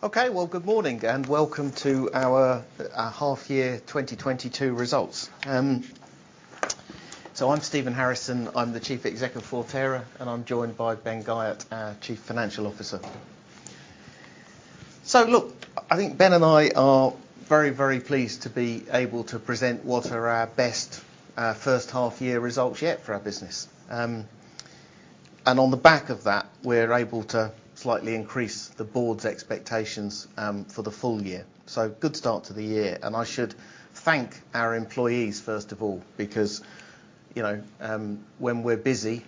Okay. Well, good morning, and Welcome to our Half Year 2022 Results. I'm Stephen Harrison, I'm the Chief Executive Officer of Forterra, and I'm joined by Ben Guyatt, our Chief Financial Officer. Look, I think Ben and I are very, very pleased to be able to present what are our best first half year results yet for our business. On the back of that, we're able to slightly increase the board's expectations for the full year. Good start to the year, and I should thank our employees first of all because, you know, when we're busy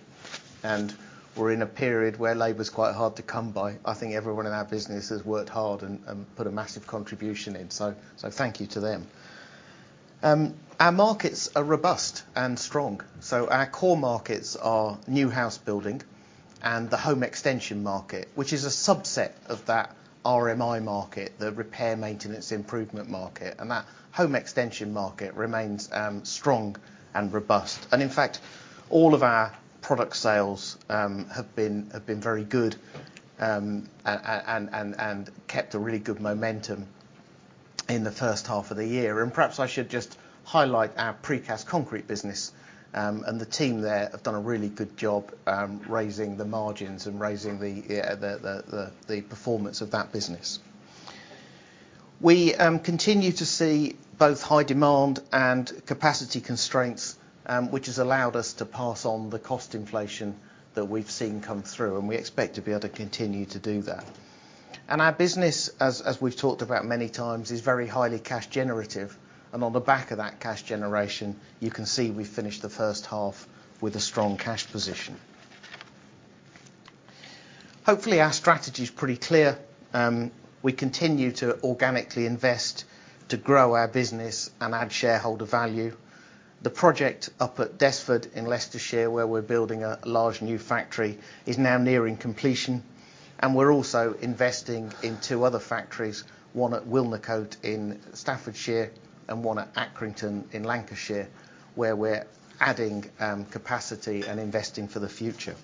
and we're in a period where labor's quite hard to come by, I think everyone in our business has worked hard and put a massive contribution in. Thank you to them. Our markets are robust and strong. Our core markets are new house building and the home extension market, which is a subset of that RMI market, the repair, maintenance, improvement market. That home extension market remains strong and robust. In fact, all of our product sales have been very good and kept a really good momentum in the first half of the year. Perhaps I should just highlight our precast concrete business and the team there have done a really good job raising the margins and raising the performance of that business. We continue to see both high demand and capacity constraints, which has allowed us to pass on the cost inflation that we've seen come through, and we expect to be able to continue to do that. Our business, as we've talked about many times, is very highly cash generative. On the back of that cash generation, you can see we've finished the first half with a strong cash position. Hopefully our strategy's pretty clear. We continue to organically invest to grow our business and add shareholder value. The project up at Desford in Leicestershire, where we're building a large new factory, is now nearing completion. We're also investing in two other factories, one at Wilnecote in Staffordshire and one at Accrington in Lancashire, where we're adding capacity and investing for the future.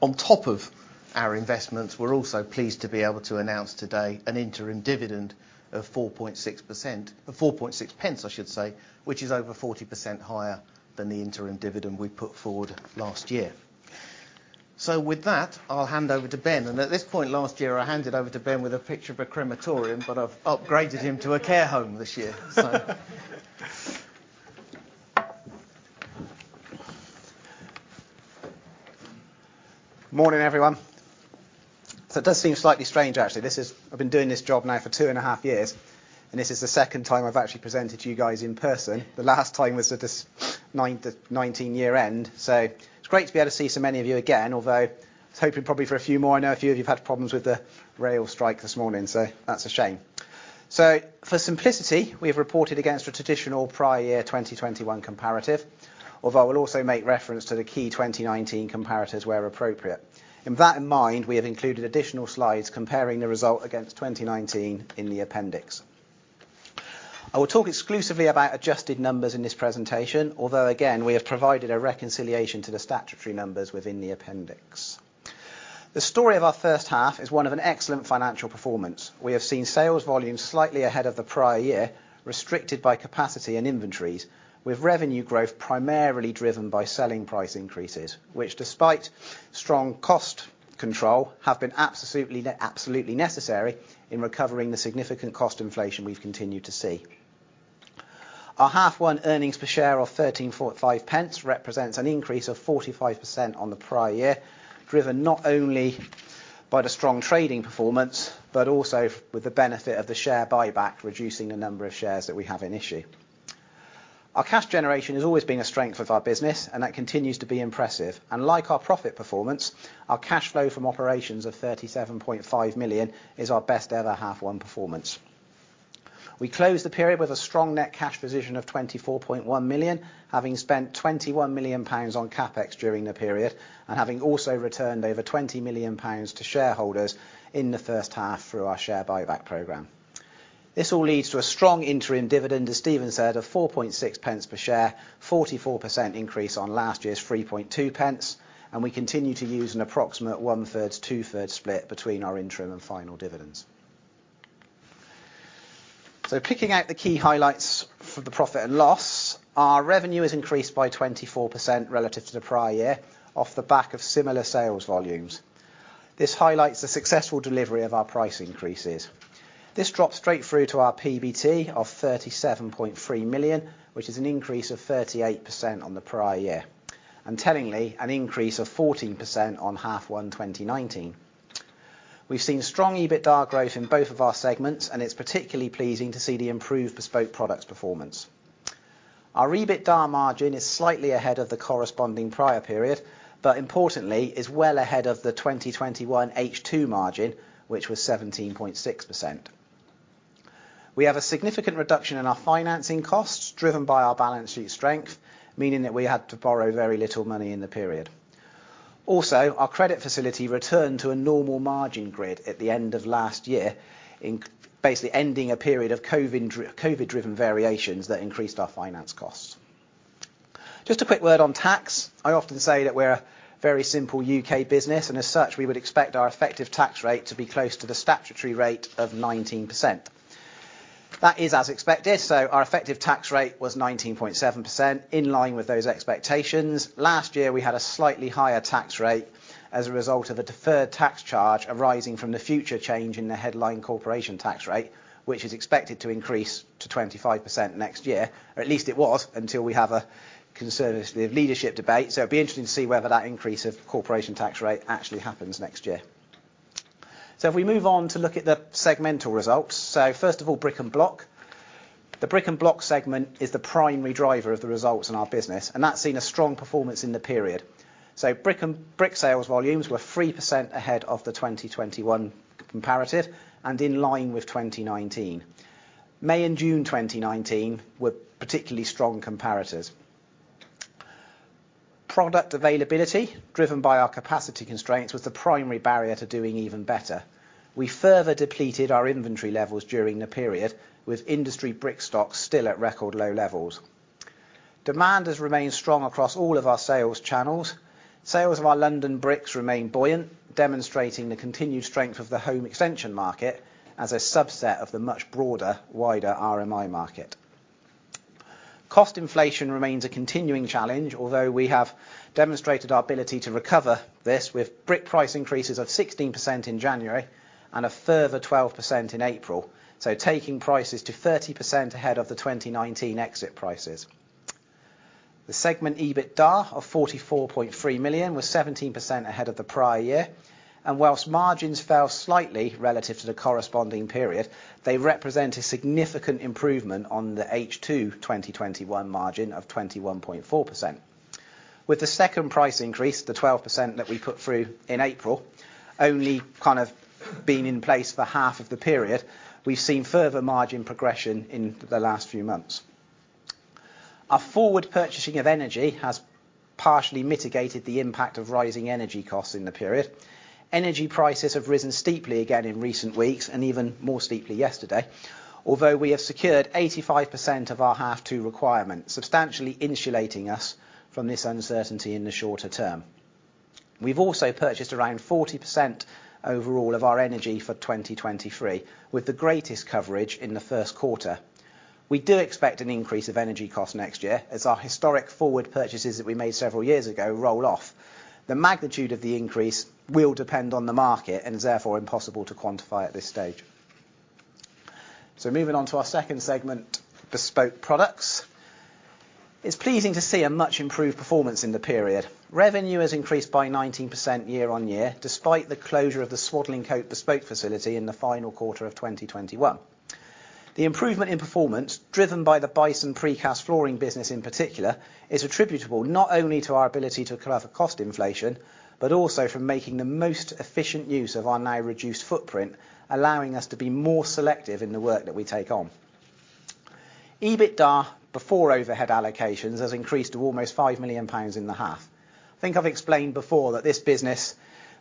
On top of our investments, we're also pleased to be able to announce today an interim dividend of 4.6%, or 4.6 pence, I should say, which is over 40% higher than the interim dividend we put forward last year. With that, I'll hand over to Ben. At this point last year, I handed over to Ben with a picture of a crematorium, but I've upgraded him to a care home this year. Morning, everyone. It does seem slightly strange actually. This is. I've been doing this job now for two and a half years, and this is the second time I've actually presented to you guys in person. The last time was at the 2019 year end, so it's great to be able to see so many of you again. Although I was hoping probably for a few more. I know a few of you have had problems with the rail strike this morning, that's a shame. For simplicity, we've reported against a traditional prior year 2021 comparative, although I will also make reference to the key 2019 comparators where appropriate. With that in mind, we have included additional slides comparing the result against 2019 in the appendix. I will talk exclusively about adjusted numbers in this presentation, although again, we have provided a reconciliation to the statutory numbers within the appendix. The story of our first half is one of an excellent financial performance. We have seen sales volumes slightly ahead of the prior year, restricted by capacity and inventories, with revenue growth primarily driven by selling price increases, which despite strong cost control have been absolutely necessary in recovering the significant cost inflation we've continued to see. Our half one earnings per share of 13.5 pence represents an increase of 45% on the prior year, driven not only by the strong trading performance, but also with the benefit of the share buyback, reducing the number of shares that we have in issue. Our cash generation has always been a strength of our business, and that continues to be impressive. Like our profit performance, our cash flow from operations of 37.5 million is our best ever half one performance. We closed the period with a strong net cash position of 24.1 million, having spent 21 million pounds on CapEx during the period, and having also returned over 20 million pounds to shareholders in the first half through our share buyback program. This all leads to a strong interim dividend, as Stephen said, of 0.046 per share, 44% increase on last year's 0.032, and we continue to use an approximate one-third, two-third split between our interim and final dividends. Picking out the key highlights for the profit and loss, our revenue has increased by 24% relative to the prior year off the back of similar sales volumes. This highlights the successful delivery of our price increases. This dropped straight through to our PBT of 37.3 million, which is an increase of 38% on the prior year, and tellingly, an increase of 14% on H1 2019. We've seen strong EBITDA growth in both of our segments, and it's particularly pleasing to see the improved Bespoke Products performance. Our EBITDA margin is slightly ahead of the corresponding prior period, but importantly, is well ahead of the 2021 H2 margin, which was 17.6%. We have a significant reduction in our financing costs driven by our balance sheet strength, meaning that we had to borrow very little money in the period. Also, our credit facility returned to a normal margin grid at the end of last year, basically ending a period of COVID driven variations that increased our finance costs. Just a quick word on tax. I often say that we're a very simple UK business, and as such, we would expect our effective tax rate to be close to the statutory rate of 19%. That is as expected, so our effective tax rate was 19.7%, in line with those expectations. Last year, we had a slightly higher tax rate as a result of a deferred tax charge arising from the future change in the headline corporation tax rate, which is expected to increase to 25% next year, or at least it was until we have a Conservative leadership debate. It'll be interesting to see whether that increase of corporation tax rate actually happens next year. If we move on to look at the segmental results. First of all, Brick & Block. The Brick & Block segment is the primary driver of the results in our business, and that's seen a strong performance in the period. Brick and block sales volumes were 3% ahead of the 2021 comparative and in line with 2019. May and June 2019 were particularly strong comparators. Product availability, driven by our capacity constraints, was the primary barrier to doing even better. We further depleted our inventory levels during the period with industry brick stocks still at record low levels. Demand has remained strong across all of our sales channels. Sales of our London Brick remain buoyant, demonstrating the continued strength of the home extension market as a subset of the much broader, wider RMI market. Cost inflation remains a continuing challenge, although we have demonstrated our ability to recover this with brick price increases of 16% in January and a further 12% in April. Taking prices to 30% ahead of the 2019 exit prices. The segment EBITDA of 44.3 million was 17% ahead of the prior year, and whilst margins fell slightly relative to the corresponding period, they represent a significant improvement on the H2 2021 margin of 21.4%. With the second price increase, the 12% that we put through in April, only kind of been in place for half of the period, we've seen further margin progression in the last few months. Our forward purchasing of energy has partially mitigated the impact of rising energy costs in the period. Energy prices have risen steeply again in recent weeks and even more steeply yesterday. Although we have secured 85% of our H2 requirements, substantially insulating us from this uncertainty in the shorter term. We've also purchased around 40% overall of our energy for 2023, with the greatest coverage in the first quarter. We do expect an increase of energy costs next year as our historic forward purchases that we made several years ago roll off. The magnitude of the increase will depend on the market and is therefore impossible to quantify at this stage. Moving on to our second segment, Bespoke Products. It's pleasing to see a much improved performance in the period. Revenue has increased by 19% year-on-year, despite the closure of the Swadlincote bespoke facility in the final quarter of 2021. The improvement in performance, driven by the Bison Precast flooring business in particular, is attributable not only to our ability to cover cost inflation, but also from making the most efficient use of our now reduced footprint, allowing us to be more selective in the work that we take on. EBITDA, before overhead allocations, has increased to almost 5 million pounds in the half. I think I've explained before that this business,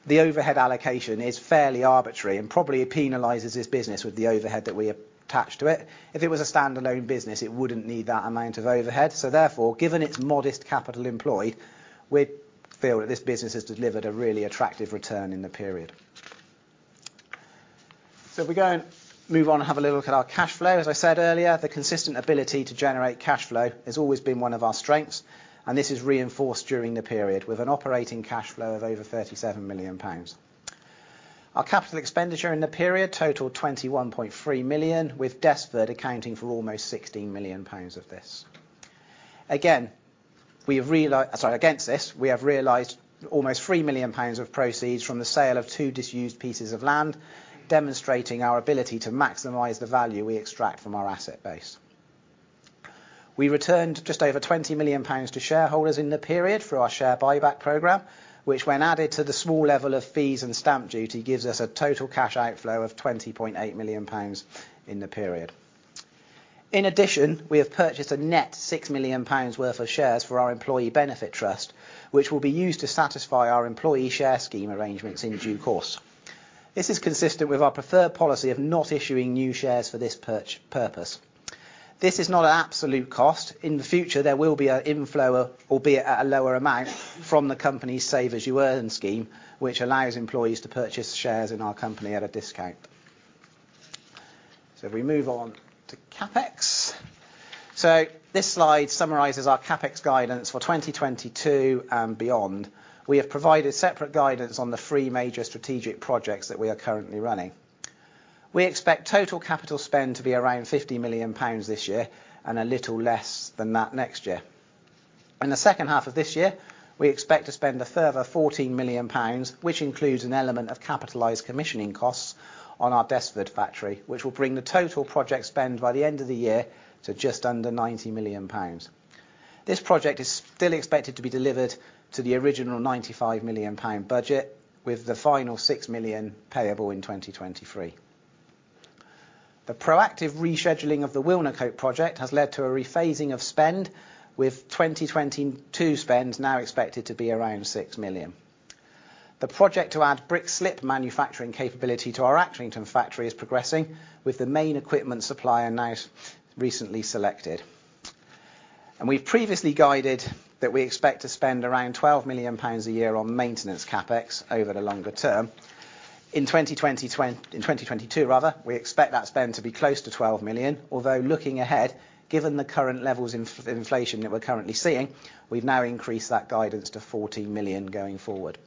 the overhead allocation, is fairly arbitrary and probably penalizes this business with the overhead that we attach to it. If it was a standalone business, it wouldn't need that amount of overhead. Therefore, given its modest capital employed, we feel that this business has delivered a really attractive return in the period. If we go and move on and have a little look at our cash flow. As I said earlier, the consistent ability to generate cash flow has always been one of our strengths, and this is reinforced during the period with an operating cash flow of over 37 million pounds. Our capital expenditure in the period totaled 21.3 million, with Desford accounting for almost 16 million pounds of this. Against this, we have realized almost 3 million pounds of proceeds from the sale of two disused pieces of land, demonstrating our ability to maximize the value we extract from our asset base. We returned just over 20 million pounds to shareholders in the period through our share buyback program, which when added to the small level of fees and stamp duty, gives us a total cash outflow of 20.8 million pounds in the period. In addition, we have purchased a net 6 million pounds worth of shares for our Employee Benefit Trust, which will be used to satisfy our employee share scheme arrangements in due course. This is consistent with our preferred policy of not issuing new shares for this purpose. This is not an absolute cost. In the future, there will be an inflow, albeit at a lower amount from the company's Save As You Earn scheme, which allows employees to purchase shares in our company at a discount. If we move on to CapEx. This slide summarizes our CapEx guidance for 2022 and beyond. We have provided separate guidance on the three major strategic projects that we are currently running. We expect total capital spend to be around 50 million pounds this year and a little less than that next year. In the second half of this year, we expect to spend a further 14 million pounds, which includes an element of capitalized commissioning costs on our Desford factory, which will bring the total project spend by the end of the year to just under 90 million pounds. This project is still expected to be delivered to the original 95 million pound budget with the final 6 million payable in 2023. The proactive rescheduling of the Wilnecote project has led to a rephasing of spend with 2022 spend now expected to be around 6 million. The project to add brick slip manufacturing capability to our Accrington factory is progressing with the main equipment supplier now recently selected. We've previously guided that we expect to spend around 12 million pounds a year on maintenance CapEx over the longer term. In 2022 rather, we expect that spend to be close to 12 million. Although looking ahead, given the current levels of inflation that we're currently seeing, we've now increased that guidance to 40 million going forward.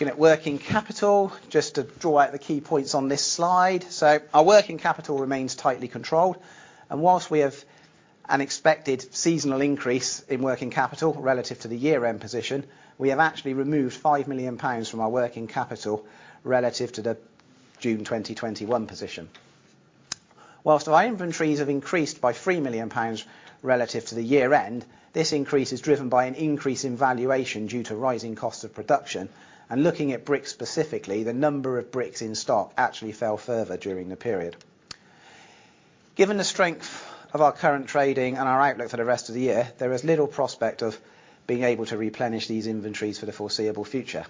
Looking at working capital, just to draw out the key points on this slide. So our working capital remains tightly controlled, and while we have an expected seasonal increase in working capital relative to the year-end position, we have actually removed 5 million pounds from our working capital relative to the June 2021 position. While our inventories have increased by 3 million pounds relative to the year-end, this increase is driven by an increase in valuation due to rising costs of production. Looking at bricks specifically, the number of bricks in stock actually fell further during the period. Given the strength of our current trading and our outlook for the rest of the year, there is little prospect of being able to replenish these inventories for the foreseeable future.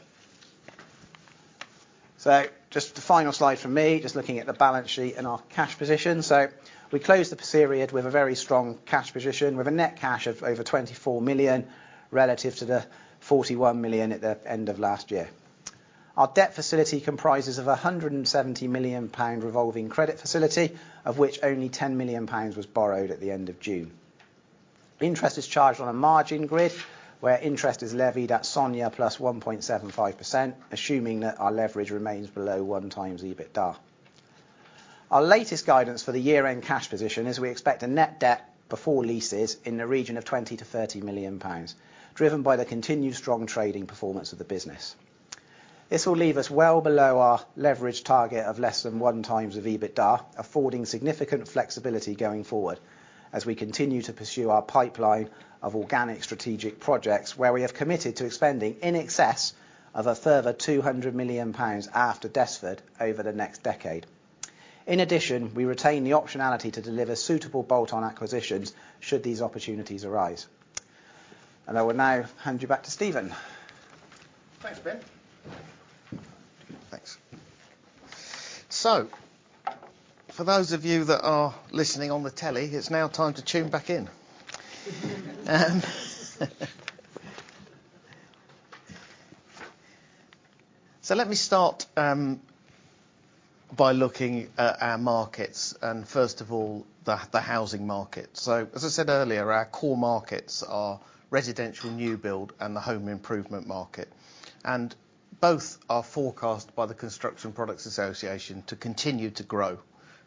Just the final slide from me, just looking at the balance sheet and our cash position. We closed the period with a very strong cash position with a net cash of over 24 million, relative to the 41 million at the end of last year. Our debt facility comprises of a 170 million pound revolving credit facility, of which only 10 million pounds was borrowed at the end of June. Interest is charged on a margin grid, where interest is levied at SONIA plus 1.75%, assuming that our leverage remains below 1x EBITDA. Our latest guidance for the year-end cash position is we expect a net debt before leases in the region of 20-30 million pounds, driven by the continued strong trading performance of the business. This will leave us well below our leverage target of less than 1x of EBITDA, affording significant flexibility going forward as we continue to pursue our pipeline of organic strategic projects where we have committed to expanding in excess of a further 200 million pounds after Desford over the next decade. In addition, we retain the optionality to deliver suitable bolt-on acquisitions should these opportunities arise. I will now hand you back to Stephen. Thanks, Ben. Thanks. For those of you that are listening on the telly, it's now time to tune back in. Let me start by looking at our markets and first of all, the housing market. As I said earlier, our core markets are residential new build and the home improvement market, and both are forecast by the Construction Products Association to continue to grow.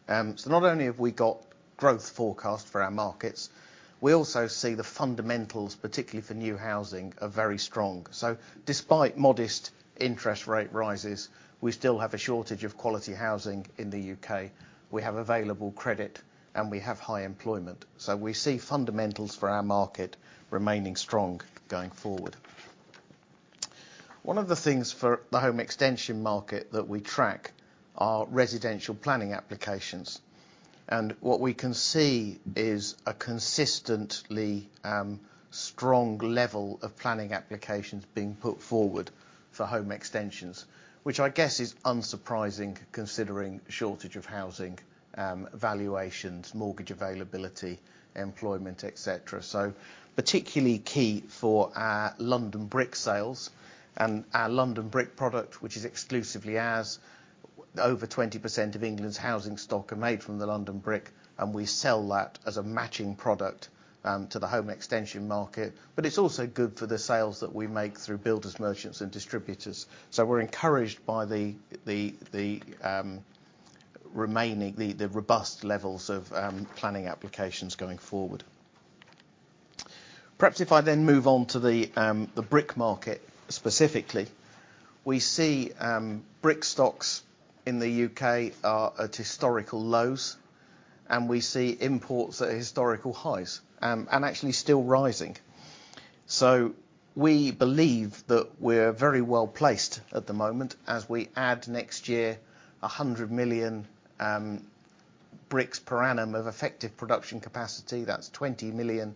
Not only have we got growth forecast for our markets, we also see the fundamentals, particularly for new housing, are very strong. Despite modest interest rate rises, we still have a shortage of quality housing in the UK. We have available credit, and we have high employment. We see fundamentals for our market remaining strong going forward. One of the things for the home extension market that we track are residential planning applications, and what we can see is a consistently strong level of planning applications being put forward for home extensions, which I guess is unsurprising considering shortage of housing, valuations, mortgage availability, employment, et cetera. Particularly key for our London Brick sales and our London Brick product, which is exclusively as over 20% of England's housing stock are made from the London Brick, and we sell that as a matching product to the home extension market. It's also good for the sales that we make through builders, merchants, and distributors. We're encouraged by the remaining robust levels of planning applications going forward. Perhaps if I then move on to the brick market specifically. We see brick stocks in the UK are at historical lows, and we see imports at historical highs, and actually still rising. We believe that we're very well-placed at the moment as we add next year 100 million bricks per annum of effective production capacity. That's 20%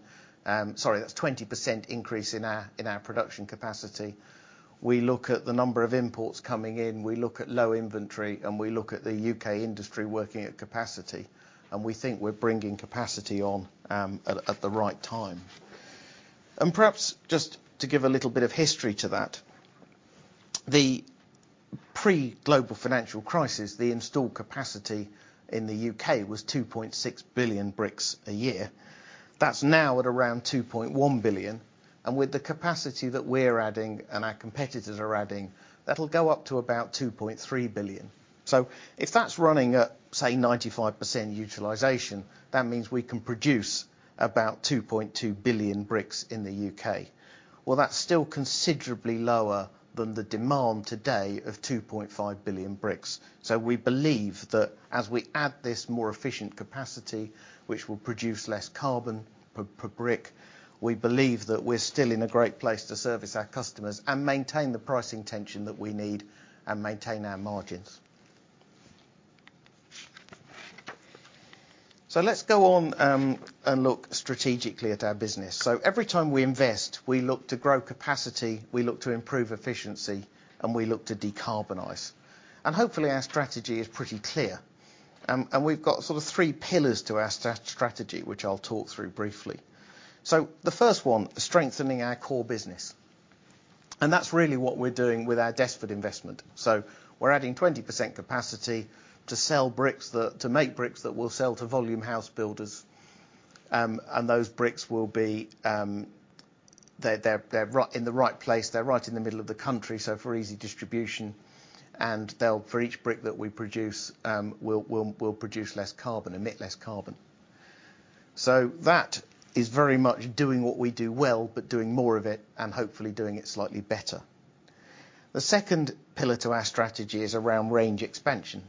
increase in our production capacity. We look at the number of imports coming in, we look at low inventory, and we look at the UK industry working at capacity, and we think we're bringing capacity on at the right time. Perhaps just to give a little bit of history to that, the pre-global financial crisis, the installed capacity in the UK was 2.6 billion bricks a year. That's now at around 2.1 billion. With the capacity that we're adding and our competitors are adding, that'll go up to about 2.3 billion. If that's running at, say, 95% utilization, that means we can produce about 2.2 billion bricks in the UK. That's still considerably lower than the demand today of 2.5 billion bricks. We believe that as we add this more efficient capacity, which will produce less carbon per brick, we believe that we're still in a great place to service our customers and maintain the pricing tension that we need and maintain our margins. Let's go on and look strategically at our business. Every time we invest, we look to grow capacity, we look to improve efficiency, and we look to decarbonize. Hopefully, our strategy is pretty clear. We've got sort of three pillars to our strategy, which I'll talk through briefly. The first one, strengthening our core business, that's really what we're doing with our Desford investment. We're adding 20% capacity to make bricks that we'll sell to volume house builders. Those bricks will be, they're in the right place. They're right in the middle of the country, so for easy distribution. They'll for each brick that we produce, we'll produce less carbon, emit less carbon. That is very much doing what we do well, but doing more of it and hopefully doing it slightly better. The second pillar to our strategy is around range expansion,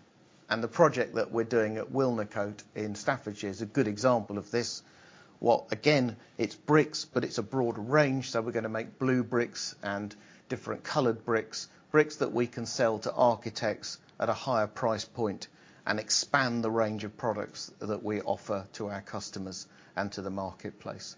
and the project that we're doing at Wilnecote in Staffordshire is a good example of this. While again, it's bricks, but it's a broader range, so we're gonna make blue bricks and different colored bricks. Bricks that we can sell to architects at a higher price point and expand the range of products that we offer to our customers and to the marketplace.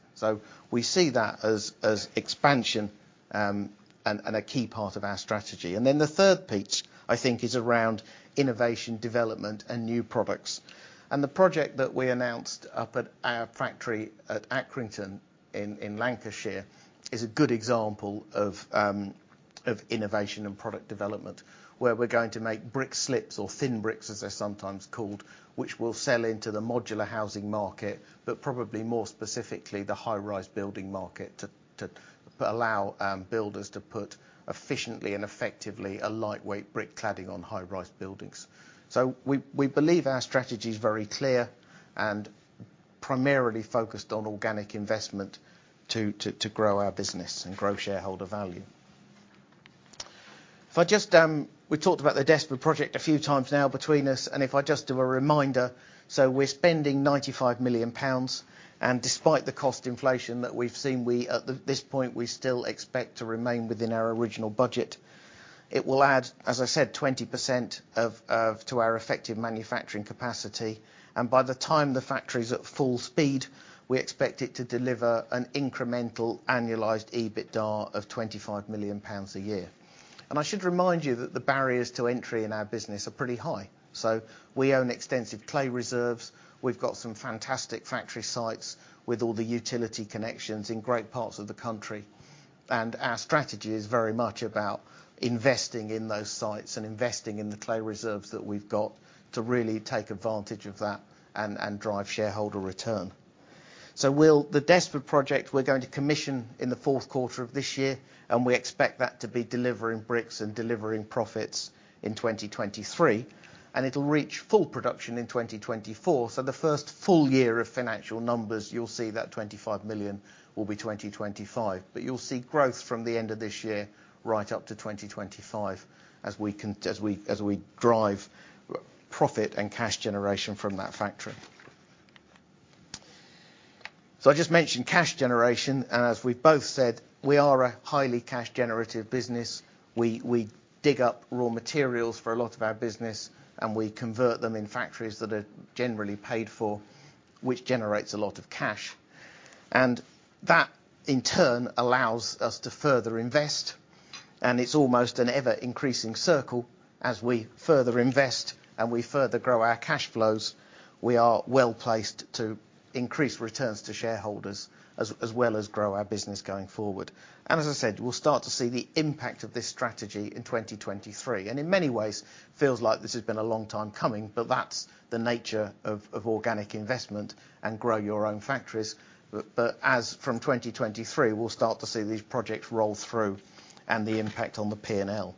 We see that as expansion and a key part of our strategy. The third piece, I think, is around innovation development and new products. The project that we announced up at our factory at Accrington in Lancashire is a good example of innovation and product development, where we're going to make brick slips or thin bricks, as they're sometimes called, which we'll sell into the modular housing market. Probably more specifically, the high-rise building market to allow builders to put efficiently and effectively a lightweight brick cladding on high-rise buildings. We believe our strategy is very clear and primarily focused on organic investment to grow our business and grow shareholder value. If I just we talked about the Desford project a few times now between us, and if I just do a reminder, we're spending 95 million pounds, and despite the cost inflation that we've seen, we at this point still expect to remain within our original budget. It will add, as I said, 20% to our effective manufacturing capacity, and by the time the factory is at full speed, we expect it to deliver an incremental annualized EBITDA of 25 million pounds a year. I should remind you that the barriers to entry in our business are pretty high. We own extensive clay reserves. We've got some fantastic factory sites with all the utility connections in great parts of the country. Our strategy is very much about investing in those sites and investing in the clay reserves that we've got to really take advantage of that and drive shareholder return. The Desford project, we're going to commission in the fourth quarter of this year, and we expect that to be delivering bricks and delivering profits in 2023, and it'll reach full production in 2024. The first full year of financial numbers, you'll see that 25 million will be 2025. You'll see growth from the end of this year right up to 2025 as we drive profit and cash generation from that factory. I just mentioned cash generation, and as we both said, we are a highly cash generative business. We dig up raw materials for a lot of our business, and we convert them in factories that are generally paid for, which generates a lot of cash. That in turn allows us to further invest, and it's almost an ever-increasing circle as we further invest and we further grow our cash flows. We are well-placed to increase returns to shareholders as well as grow our business going forward. As I said, we'll start to see the impact of this strategy in 2023. In many ways, feels like this has been a long time coming, but that's the nature of organic investment and grow your own factories. As from 2023, we'll start to see these projects roll through and the impact on the P&L.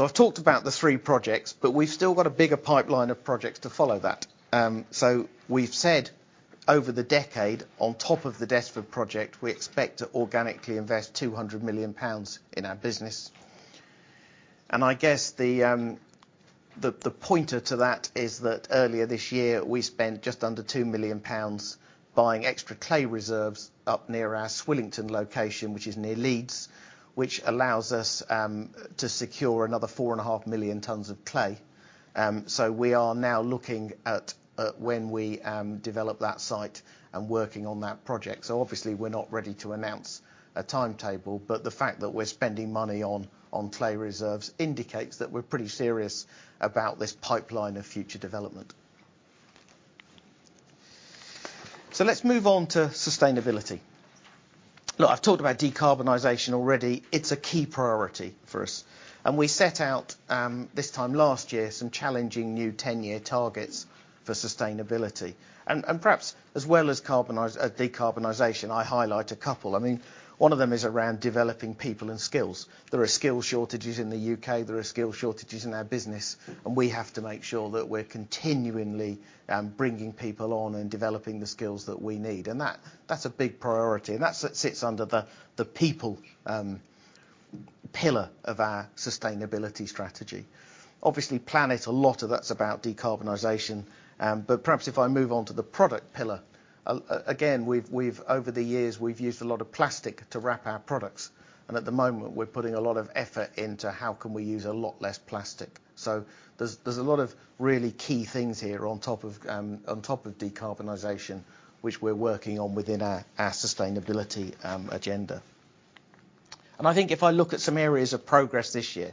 I've talked about the three projects, but we've still got a bigger pipeline of projects to follow that. We've said over the decade, on top of the Desford project, we expect to organically invest 200 million pounds in our business. I guess the pointer to that is that earlier this year, we spent just under 2 million pounds buying extra clay reserves up near our Swillington location, which is near Leeds, which allows us to secure another 4.5 million tons of clay. We are now looking at when we develop that site and working on that project. Obviously, we're not ready to announce a timetable, but the fact that we're spending money on clay reserves indicates that we're pretty serious about this pipeline of future development. Let's move on to sustainability. Look, I've talked about decarbonization already. It's a key priority for us. Perhaps as well as decarbonization, I highlight a couple. I mean, one of them is around developing people and skills. There are skill shortages in the U.K., there are skill shortages in our business, and we have to make sure that we're continually bringing people on and developing the skills that we need. That's a big priority, and that sits under the people pillar of our sustainability strategy. Obviously, planet, a lot of that's about decarbonization. Perhaps if I move on to the product pillar again, we've over the years used a lot of plastic to wrap our products, and at the moment, we're putting a lot of effort into how can we use a lot less plastic. There's a lot of really key things here on top of on top of decarbonization, which we're working on within our sustainability agenda. I think if I look at some areas of progress this year,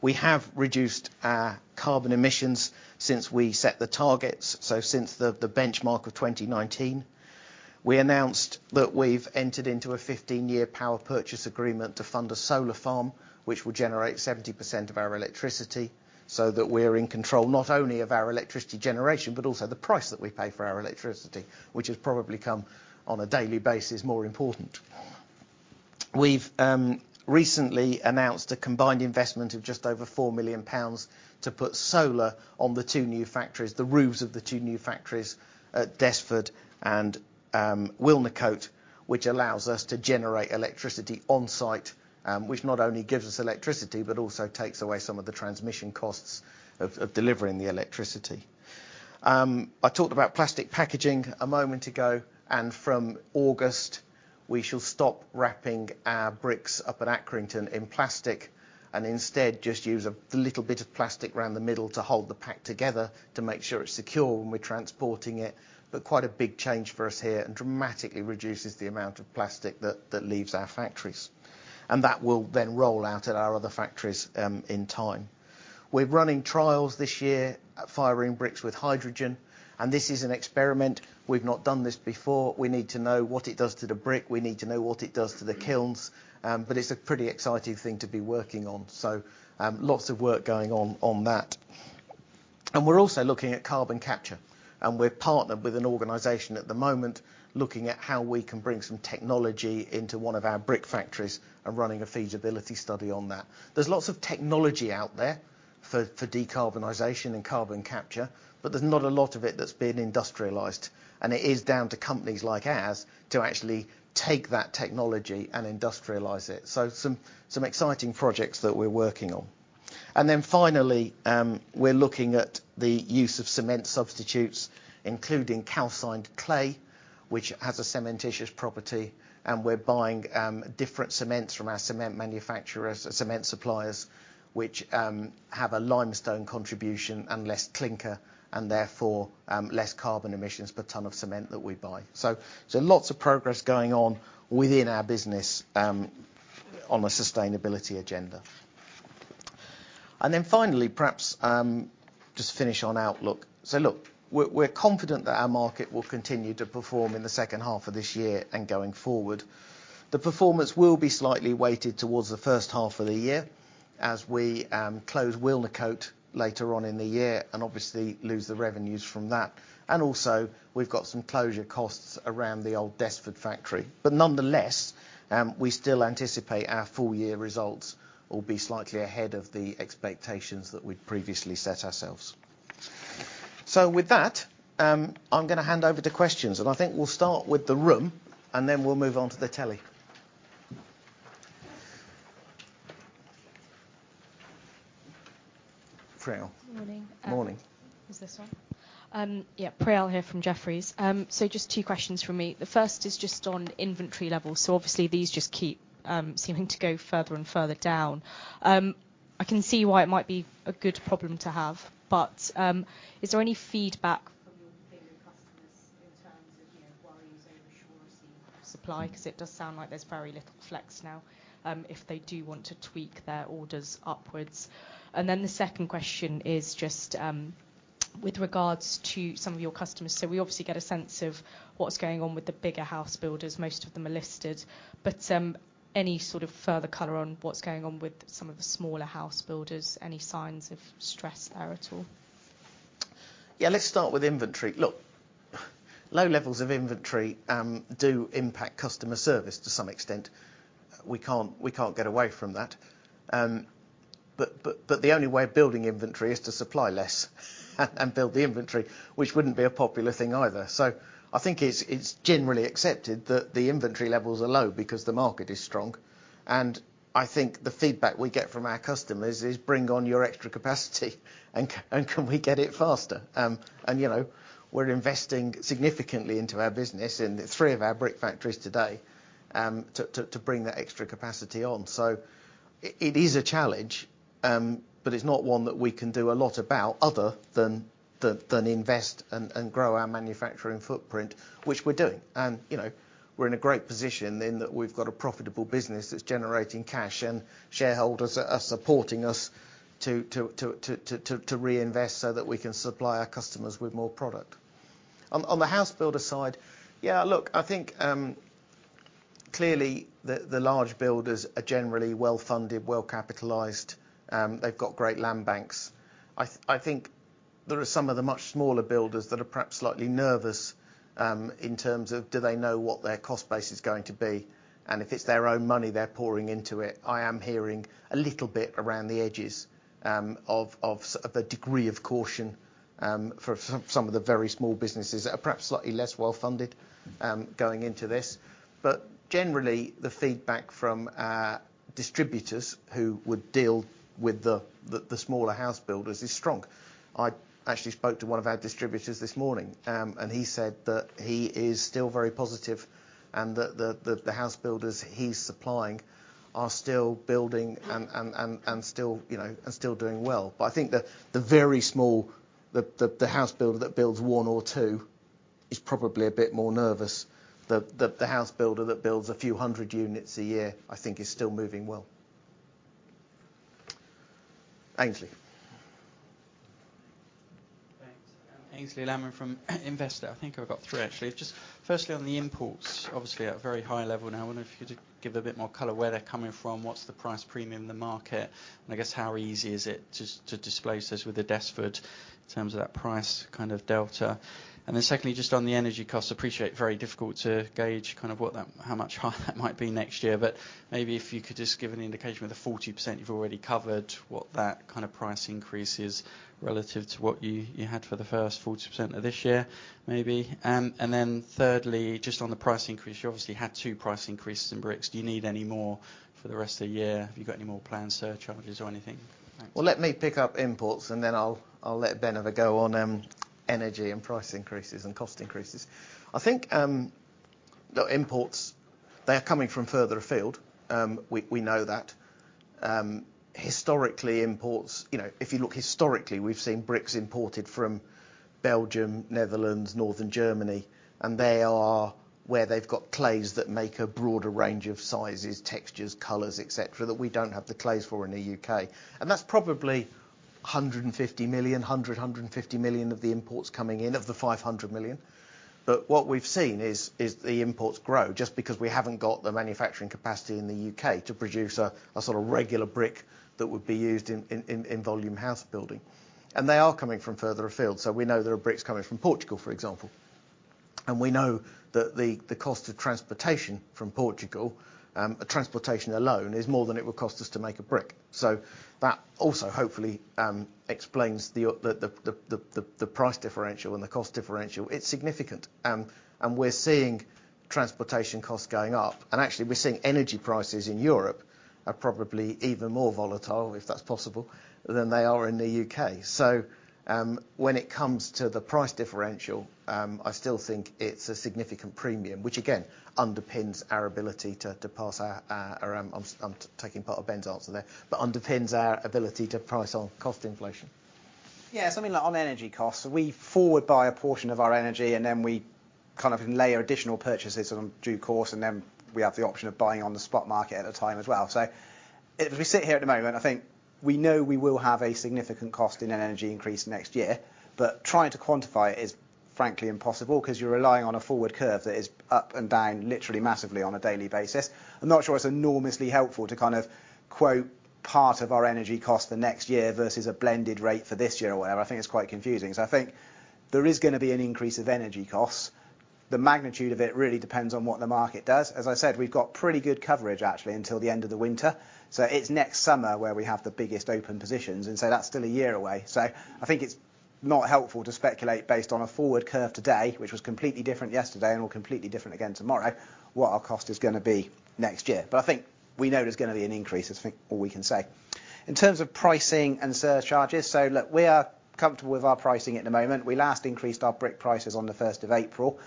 we have reduced our carbon emissions since we set the targets, since the benchmark of 2019. We announced that we've entered into a 15-year power purchase agreement to fund a solar farm, which will generate 70% of our electricity, so that we're in control not only of our electricity generation, but also the price that we pay for our electricity, which has probably become more important on a daily basis. We've recently announced a combined investment of just over 4 million pounds to put solar on the two new factories, the roofs of the two new factories at Desford and Wilnecote, which allows us to generate electricity on-site, which not only gives us electricity, but also takes away some of the transmission costs of delivering the electricity. I talked about plastic packaging a moment ago, and from August, we shall stop wrapping our bricks up at Accrington in plastic, and instead just use a little bit of plastic around the middle to hold the pack together to make sure it's secure when we're transporting it. Quite a big change for us here and dramatically reduces the amount of plastic that leaves our factories. That will then roll out at our other factories, in time. We're running trials this year at firing bricks with hydrogen, and this is an experiment. We've not done this before. We need to know what it does to the brick. We need to know what it does to the kilns. It's a pretty exciting thing to be working on. Lots of work going on that. We're also looking at carbon capture, and we're partnered with an organization at the moment, looking at how we can bring some technology into one of our brick factories and running a feasibility study on that. There's lots of technology out there for decarbonization and carbon capture, but there's not a lot of it that's been industrialized, and it is down to companies like ours to actually take that technology and industrialize it. Some exciting projects that we're working on. We're looking at the use of cement substitutes, including calcined clay, which has a cementitious property, and we're buying different cements from our cement manufacturers, cement suppliers, which have a limestone contribution and less clinker and therefore less carbon emissions per ton of cement that we buy. Lots of progress going on within our business on the sustainability agenda. Then finally, perhaps, just finish on outlook. Look, we're confident that our market will continue to perform in the second half of this year and going forward. The performance will be slightly weighted towards the first half of the year as we close Wilnecote later on in the year and obviously lose the revenues from that. Also, we've got some closure costs around the old Desford factory. Nonetheless, we still anticipate our full year results will be slightly ahead of the expectations that we'd previously set ourselves. With that, I'm gonna hand over to questions, and I think we'll start with the room, and then we'll move on to the telly. Priyal Woolf. Morning. Morning. Is this on? Yeah, Priyal Woolf here from Jefferies. Just two questions from me. The first is just on inventory levels. Obviously these just keep seeming to go further and further down. I can see why it might be a good problem to have, but, is there any feedback from your bigger customers in terms of, you know, worries over short supply? 'Cause it does sound like there's very little flex now, if they do want to tweak their orders upwards. The second question is just with regards to some of your customers. We obviously get a sense of what's going on with the bigger house builders, most of them are listed, but, any sort of further color on what's going on with some of the smaller house builders, any signs of stress there at all? Yeah. Let's start with inventory. Look, low levels of inventory do impact customer service to some extent. We can't get away from that. The only way of building inventory is to supply less and build the inventory, which wouldn't be a popular thing either. I think it's generally accepted that the inventory levels are low because the market is strong, and I think the feedback we get from our customers is, "Bring on your extra capacity, and can we get it faster?" You know, we're investing significantly into our business in three of our brick factories today, to bring that extra capacity on. It is a challenge, but it's not one that we can do a lot about other than invest and grow our manufacturing footprint, which we're doing. You know, we're in a great position in that we've got a profitable business that's generating cash and shareholders are supporting us to reinvest so that we can supply our customers with more product. On the house builder side, yeah, look, I think clearly the large builders are generally well-funded, well-capitalized, they've got great land banks. I think there are some of the much smaller builders that are perhaps slightly nervous in terms of do they know what their cost base is going to be, and if it's their own money they're pouring into it. I am hearing a little bit around the edges of a degree of caution for some of the very small businesses that are perhaps slightly less well-funded going into this, but generally the feedback from our distributors who would deal with the smaller house builders is strong. I actually spoke to one of our distributors this morning, and he said that he is still very positive and that the house builders he's supplying are still building and still, you know, still doing well. But I think the very small house builder that builds one or two is probably a bit more nervous. The house builder that builds a few hundred units a year, I think is still moving well. Aynsley. Thanks. Aynsley Lammin from Investec. I think I've got 3 actually. Just firstly on the imports, obviously at a very high level now, I wonder if you could give a bit more color where they're coming from, what's the price premium in the market, and I guess how easy is it to displace this with the Desford in terms of that price kind of delta. Secondly, just on the energy costs, appreciate very difficult to gauge kind of what that how much higher that might be next year, but maybe if you could just give an indication with the 40% you've already covered, what that kind of price increase is relative to what you had for the first 40% of this year, maybe. Thirdly, just on the price increase, you obviously had 2 price increases in bricks. Do you need any more for the rest of the year? Have you got any more planned surcharges or anything? Thanks. Well, let me pick up imports and then I'll let Ben have a go on energy and price increases and cost increases. I think the imports, they're coming from further afield. We know that. Historically imports, you know, if you look historically, we've seen bricks imported from Belgium, Netherlands, Northern Germany, and they are where they've got clays that make a broader range of sizes, textures, colors, et cetera, that we don't have the clays for in the UK. That's probably 150 million of the imports coming in of the 500 million. What we've seen is the imports grow just because we haven't got the manufacturing capacity in the UK to produce a sort of regular brick that would be used in volume house building. They are coming from further afield, so we know there are bricks coming from Portugal, for example. We know that the cost of transportation from Portugal, transportation alone is more than it would cost us to make a brick. That also hopefully explains the price differential and the cost differential. It's significant, and we're seeing transportation costs going up, and actually we're seeing energy prices in Europe are probably even more volatile, if that's possible, than they are in the UK. When it comes to the price differential, I still think it's a significant premium, which again, underpins our ability to pass our, I'm taking part of Ben's answer there, but underpins our ability to price on cost inflation. Yeah, something like on energy costs, we forward buy a portion of our energy, and then we kind of layer additional purchases in due course, and then we have the option of buying on the spot market at a time as well. If we sit here at the moment, I think we know we will have a significant increase in energy costs next year, but trying to quantify it is frankly impossible because you're relying on a forward curve that is up and down literally massively on a daily basis. I'm not sure it's enormously helpful to kind of quote part of our energy cost the next year versus a blended rate for this year or whatever. I think it's quite confusing. I think there is gonna be an increase of energy costs. The magnitude of it really depends on what the market does. As I said, we've got pretty good coverage actually until the end of the winter. It's next summer where we have the biggest open positions, and so that's still a year away. I think it's not helpful to speculate based on a forward curve today, which was completely different yesterday and will completely different again tomorrow, what our cost is gonna be next year. I think we know there's gonna be an increase all we can say. In terms of pricing and surcharges, so look, we are comfortable with our pricing at the moment. We last increased our brick prices on the first of April.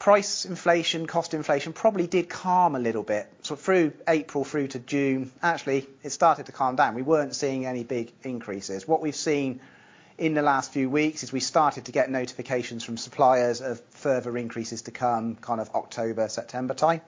Price inflation, cost inflation probably did calm a little bit. Through April through to June, actually it started to calm down. We weren't seeing any big increases. What we've seen in the last few weeks is we started to get notifications from suppliers of further increases to come kind of October, September time.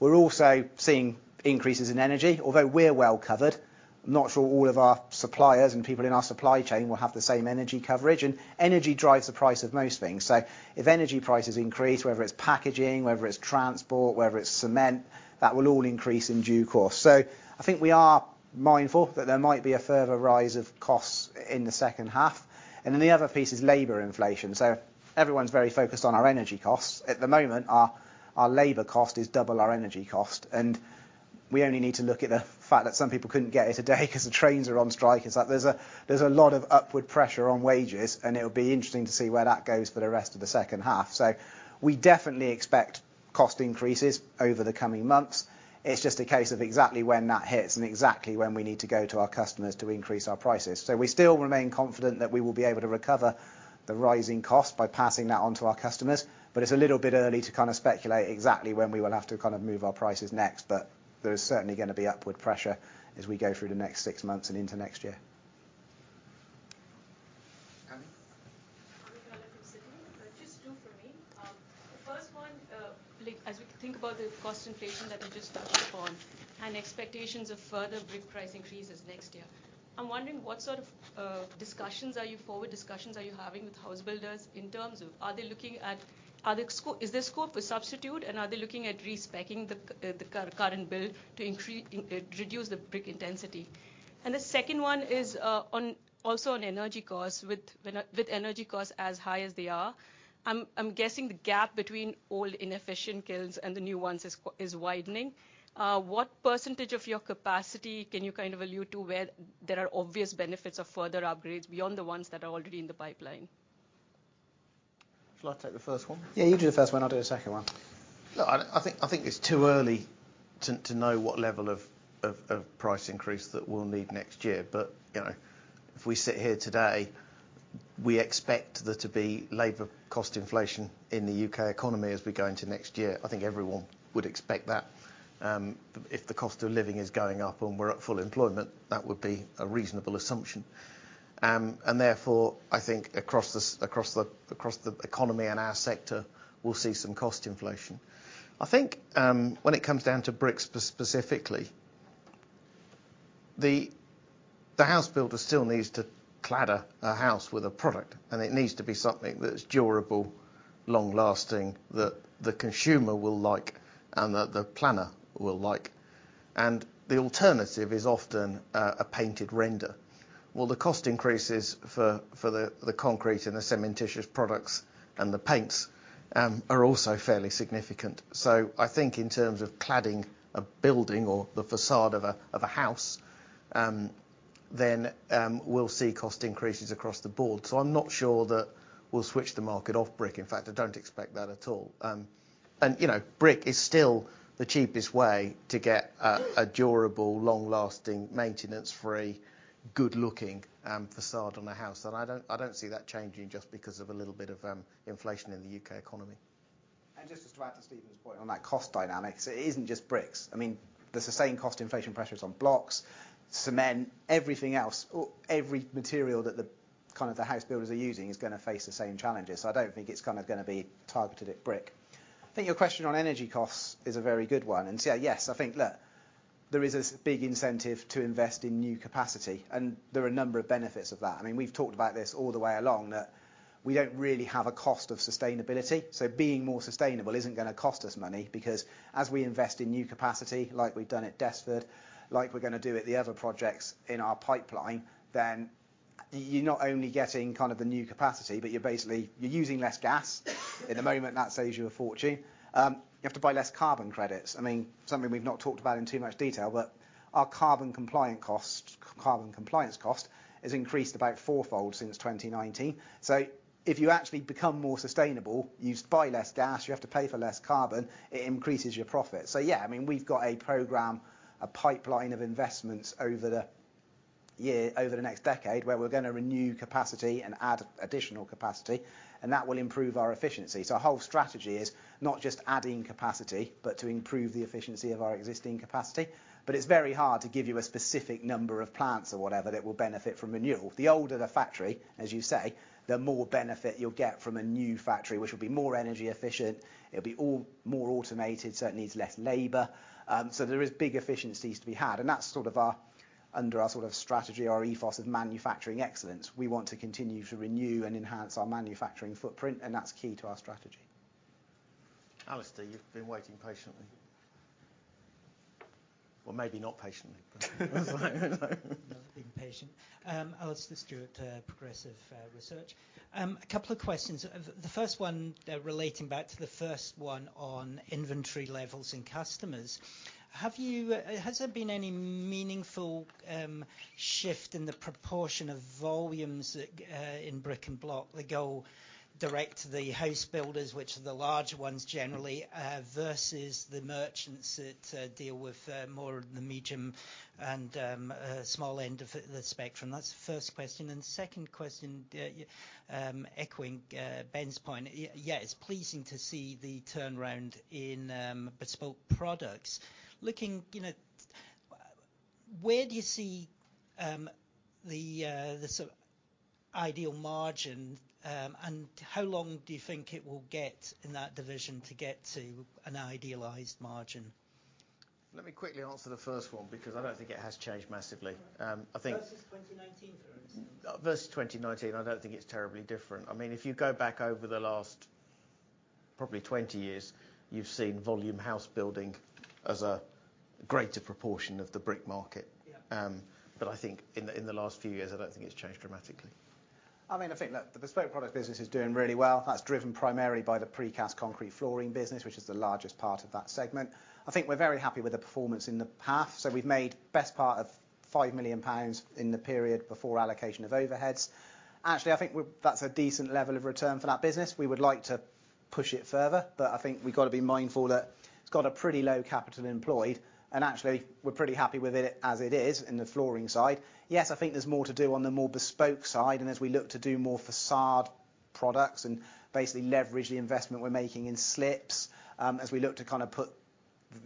We're also seeing increases in energy, although we're well covered. Not sure all of our suppliers and people in our supply chain will have the same energy coverage, and energy drives the price of most things. If energy prices increase, whether it's packaging, whether it's transport, whether it's cement, that will all increase in due course. I think we are mindful that there might be a further rise of costs in the second half. The other piece is labor inflation. Everyone's very focused on our energy costs. At the moment, our labor cost is double our energy cost, and we only need to look at the fact that some people couldn't get here today because the trains are on strike. It's like there's a lot of upward pressure on wages, and it'll be interesting to see where that goes for the rest of the second half. We definitely expect cost increases over the coming months. It's just a case of exactly when that hits and exactly when we need to go to our customers to increase our prices. We still remain confident that we will be able to recover the rising cost by passing that on to our customers, but it's a little bit early to kind of speculate exactly when we will have to kind of move our prices next, but there is certainly gonna be upward pressure as we go through the next six months and into next year. Abby? Abigail from Citi. Just two for me. Like as we think about the cost inflation that you just touched upon and expectations of further brick price increases next year, I'm wondering what sort of discussions are you having with house builders in terms of are they looking at, is there scope for substitute and are they looking at re-spec-ing the current build to reduce the brick intensity? The second one is on energy costs. With energy costs as high as they are, I'm guessing the gap between old inefficient kilns and the new ones is widening. What percentage of your capacity can you kind of allude to where there are obvious benefits of further upgrades beyond the ones that are already in the pipeline? Shall I take the first one? Yeah, you do the first one, I'll do the second one. Look, I think it's too early to know what level of price increase that we'll need next year. You know, if we sit here today, we expect there to be labor cost inflation in the U.K. economy as we go into next year. I think everyone would expect that. If the cost of living is going up and we're at full employment, that would be a reasonable assumption. Therefore, I think across the economy and our sector, we'll see some cost inflation. I think when it comes down to bricks specifically, the house builder still needs to clad a house with a product, and it needs to be something that is durable, long-lasting, that the consumer will like, and that the planner will like. The alternative is often a painted render. Well, the cost increases for the concrete and the cementitious products and the paints are also fairly significant. I think in terms of cladding a building or the façade of a house, then we'll see cost increases across the board. I'm not sure that we'll switch the market off brick. In fact, I don't expect that at all. You know, brick is still the cheapest way to get a durable, long-lasting, maintenance-free, good-looking façade on a house, and I don't see that changing just because of a little bit of inflation in the U.K. economy. Just to add to Stephen's point on that cost dynamics, it isn't just bricks. I mean, there's the same cost inflation pressures on blocks, cement, everything else. Every material that the, kind of the house builders are using is gonna face the same challenges. I don't think it's kind of gonna be targeted at brick. I think your question on energy costs is a very good one. Yes. I think, look, there is this big incentive to invest in new capacity, and there are a number of benefits of that. I mean, we've talked about this all the way along that we don't really have a cost of sustainability, so being more sustainable isn't gonna cost us money because as we invest in new capacity, like we've done at Desford, like we're gonna do at the other projects in our pipeline, then you're not only getting kind of the new capacity, but you're basically, you're using less gas. At the moment, that saves you a fortune. You have to buy less carbon credits. I mean, something we've not talked about in too much detail, but our carbon compliant cost, carbon compliance cost has increased about fourfold since 2019. So if you actually become more sustainable, you buy less gas, you have to pay for less carbon, it increases your profit. Yeah, I mean, we've got a program, a pipeline of investments over the year, over the next decade, where we're gonna renew capacity and add additional capacity, and that will improve our efficiency. Our whole strategy is not just adding capacity, but to improve the efficiency of our existing capacity. It's very hard to give you a specific number of plants or whatever that will benefit from renewal. The older the factory, as you say, the more benefit you'll get from a new factory, which will be more energy efficient. It'll be all more automated, so it needs less labor. There is big efficiencies to be had, and that's sort of our, under our sort of strategy, our ethos of manufacturing excellence. We want to continue to renew and enhance our manufacturing footprint, and that's key to our strategy. Alastair, you've been waiting patiently. Or maybe not patiently. No, being patient. Alastair Stewart, Progressive Research. A couple of questions. The first one, relating back to the first one on inventory levels in customers. Has there been any meaningful shift in the proportion of volumes that in Brick & Block that go direct to the house builders, which are the larger ones generally versus the merchants that deal with more of the medium and small end of the spectrum? That's the first question. Second question, echoing Ben's point, yes, it's pleasing to see the turnaround in Bespoke Products. Looking, you know, where do you see the sort of ideal margin and how long do you think it will get in that division to get to an idealized margin? Let me quickly answer the first one, because I don't think it has changed massively. I think versus 2019, for instance. Versus 2019, I don't think it's terribly different. I mean, if you go back over the last probably 20 years, you've seen volume house building as a greater proportion of the brick market. Yeah. I think in the last few years, I don't think it's changed dramatically. I mean, I think that the Bespoke Product business is doing really well. That's driven primarily by the precast concrete flooring business, which is the largest part of that segment. I think we're very happy with the performance in the past. We've made best part of 5 million pounds in the period before allocation of overheads. Actually, I think that's a decent level of return for that business. We would like to push it further, but I think we've got to be mindful that it's got a pretty low capital employed, and actually we're pretty happy with it as it is in the flooring side. Yes, I think there's more to do on the more bespoke side, and as we look to do more façade products and basically leverage the investment we're making in slips, as we look to kind of put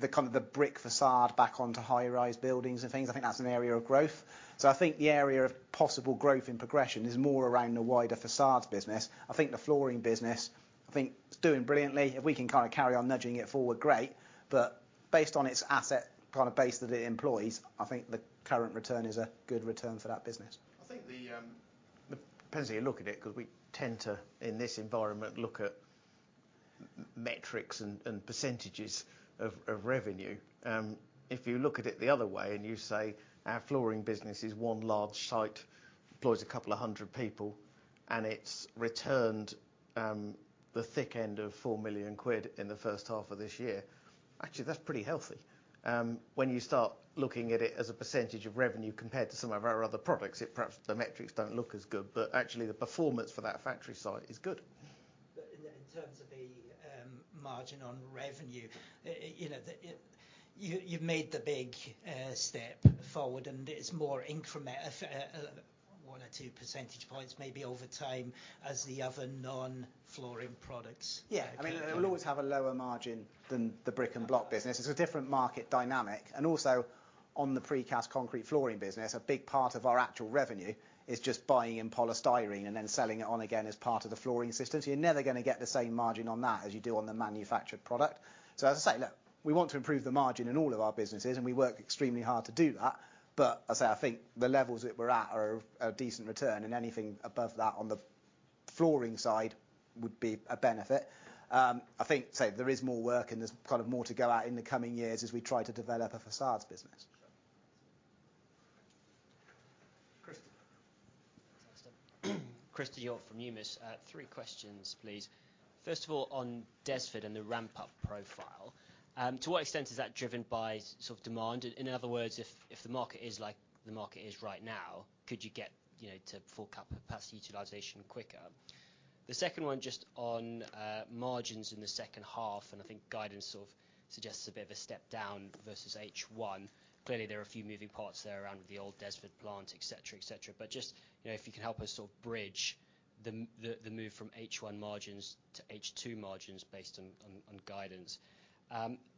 the brick façade back onto high-rise buildings and things, I think that's an area of growth. I think the area of possible growth in progression is more around the wider façades business. I think the flooring business, I think it's doing brilliantly. If we can kind of carry on nudging it forward, great. Based on its asset kind of base that it employs, I think the current return is a good return for that business. I think the depends how you look at it, 'cause we tend to, in this environment, look at metrics and percentages of revenue. If you look at it the other way and you say, our flooring business is one large site, employs a couple of hundred people, and it's returned the thick end of 4 million quid in the first half of this year. Actually, that's pretty healthy. When you start looking at it as a percentage of revenue compared to some of our other products, it perhaps the metrics don't look as good, but actually the performance for that factory site is good. In terms of the margin on revenue, you know, you've made the big step forward, and it's more one or two percentage points maybe over time as the other non-flooring products. Yeah. I mean, it'll always have a lower margin than the Brick & Block business. It's a different market dynamic, and also on the precast concrete flooring business, a big part of our actual revenue is just buying in polystyrene and then selling it on again as part of the flooring systems. You're never gonna get the same margin on that as you do on the manufactured product. As I say, look, we want to improve the margin in all of our businesses, and we work extremely hard to do that. As I say, I think the levels that we're at are a decent return, and anything above that on the flooring side would be a benefit. I think there is more work, and there's kind of more to go out in the coming years as we try to develop a façades business. Sure. Kristian. Thanks, Tim. Kristian from Numis. Three questions, please. First of all, on Desford and the ramp-up profile, to what extent is that driven by sort of demand? In other words, if the market is like the market is right now, could you get, you know, to full capacity utilization quicker? The second one just on margins in the second half, and I think guidance sort of suggests a bit of a step down versus H1. Clearly, there are a few moving parts there around with the old Desford plant, et cetera. Just, you know, if you could help us sort of bridge the move from H1 margins to H2 margins based on guidance.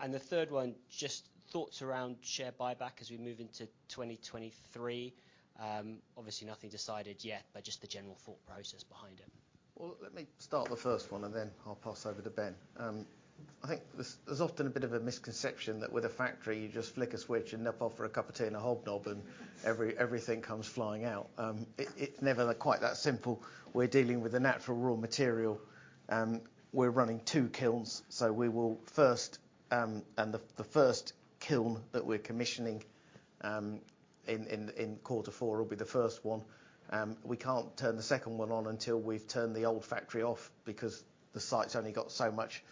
The third one, just thoughts around share buyback as we move into 2023. Obviously nothing decided yet, but just the general thought process behind it. Well, let me start the first one, and then I'll pass over to Ben. I think there's often a bit of a misconception that with a factory, you just flick a switch and nip off for a cup of tea and a Hobnobs, and everything comes flying out. It's never quite that simple. We're dealing with a natural raw material. We're running two kilns, so we will first, and the first kiln that we're commissioning in quarter four will be the first one. We can't turn the second one on until we've turned the old factory off because the site's only got so much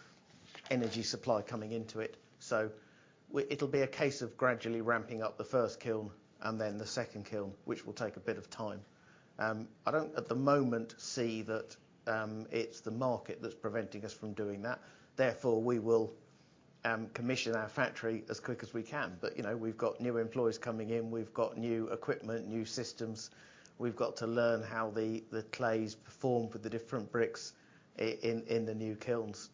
energy supply coming into it. It'll be a case of gradually ramping up the first kiln and then the second kiln, which will take a bit of time. I don't at the moment see that it's the market that's preventing us from doing that. Therefore, we will commission our factory as quick as we can. You know, we've got new employees coming in. We've got new equipment, new systems. We've got to learn how the clays perform with the different bricks in the new kilns.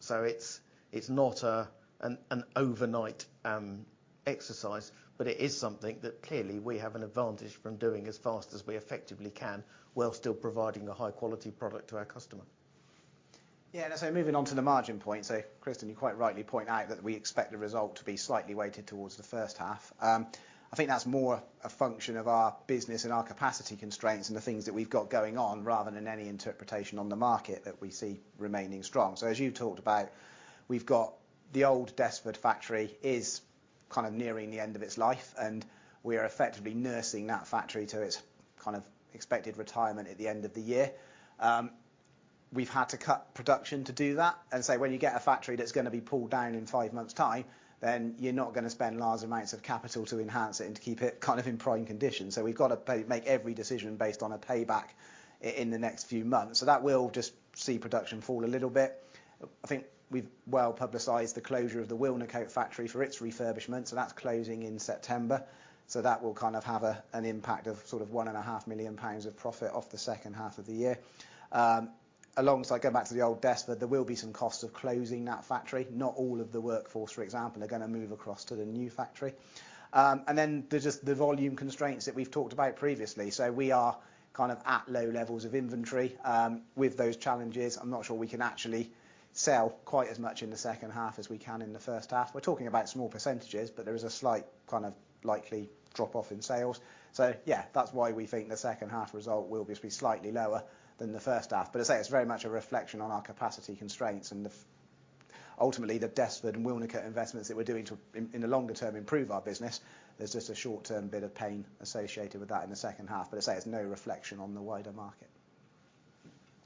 It's not an overnight exercise, but it is something that clearly we have an advantage from doing as fast as we effectively can while still providing a high quality product to our customer. Moving on to the margin point, so Kristian, you quite rightly point out that we expect the result to be slightly weighted towards the first half. I think that's more a function of our business and our capacity constraints and the things that we've got going on rather than any interpretation on the market that we see remaining strong. As you talked about, we've got the old Desford factory is kind of nearing the end of its life, and we are effectively nursing that factory to its kind of expected retirement at the end of the year. We've had to cut production to do that and say, when you get a factory that's gonna be pulled down in five months' time, then you're not gonna spend large amounts of capital to enhance it and to keep it kind of in prime condition. We've got to make every decision based on a payback in the next few months. That will just see production fall a little bit. I think we've well publicized the closure of the Wilnecote factory for its refurbishment, so that's closing in September. That will kind of have an impact of sort of 1.5 million pounds of profit off the second half of the year. Alongside going back to the old Desford, there will be some costs of closing that factory. Not all of the workforce, for example, are gonna move across to the new factory. Then there's just the volume constraints that we've talked about previously. We are kind of at low levels of inventory with those challenges. I'm not sure we can actually sell quite as much in the second half as we can in the first half. We're talking about small percentages, but there is a slight kind of likely drop off in sales. Yeah, that's why we think the second half result will just be slightly lower than the first half. As I say, it's very much a reflection on our capacity constraints and ultimately the Desford and Wilnecote investments that we're doing to in the longer term improve our business. There's just a short-term bit of pain associated with that in the second half. As I say, it's no reflection on the wider market.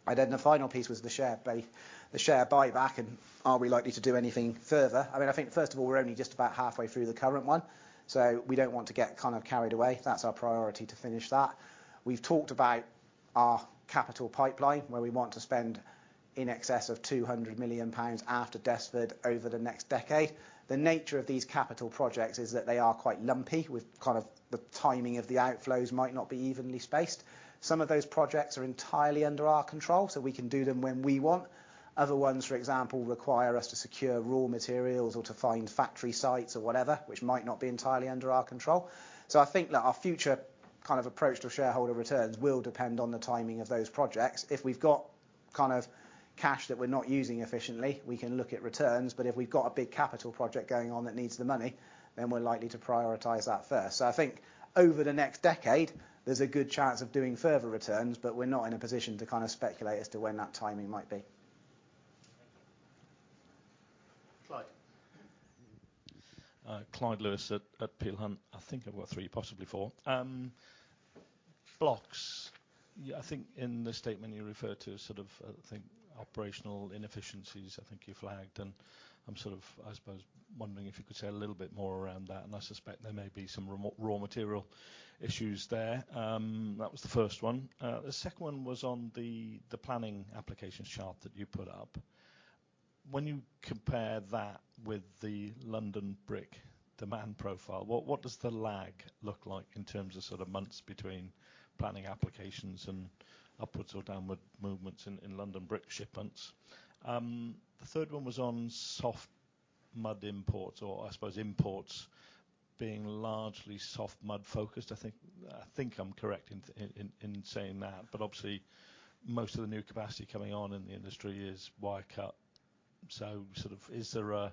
The final piece was the share buy, the share buyback, and are we likely to do anything further? I mean, I think first of all, we're only just about halfway through the current one, so we don't want to get kind of carried away. That's our priority to finish that. We've talked about our capital pipeline, where we want to spend in excess of 200 million pounds after Desford over the next decade. The nature of these capital projects is that they are quite lumpy with kind of the timing of the outflows might not be evenly spaced. Some of those projects are entirely under our control, so we can do them when we want. Other ones, for example, require us to secure raw materials or to find factory sites or whatever, which might not be entirely under our control. So I think that our future kind of approach to shareholder returns will depend on the timing of those projects. If we've got kind of cash that we're not using efficiently, we can look at returns, but if we've got a big capital project going on that needs the money, then we're likely to prioritize that first. I think over the next decade, there's a good chance of doing further returns, but we're not in a position to kind of speculate as to when that timing might be. Thank you, Clyde. Clyde Lewis at Peel Hunt. I think I've got 3, possibly 4. Blocks. Yeah, I think in the statement you referred to sort of, I think, operational inefficiencies, I think you flagged, and I'm sort of, I suppose, wondering if you could say a little bit more around that, and I suspect there may be some raw material issues there. That was the first one. The second one was on the planning application chart that you put up. When you compare that with the London Brick demand profile, what does the lag look like in terms of sort of months between planning applications and upwards or downward movements in London Brick shipments? The third one was on soft mud imports, or I suppose imports being largely soft mud-focused. I think I'm correct in saying that, but obviously, most of the new capacity coming on in the industry is wire-cut, so is there a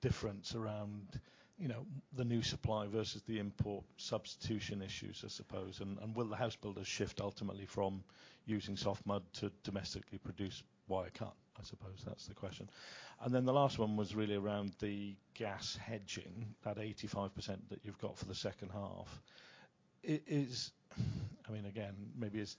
difference around, you know, the new supply versus the import substitution issues, I suppose, and will the house builders shift ultimately from using soft mud to domestically produce wire-cut? I suppose that's the question. Then the last one was really around the gas hedging, that 85% that you've got for the second half. I mean, again, maybe it's